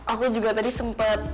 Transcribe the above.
aku juga tadi sempet